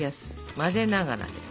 混ぜながら。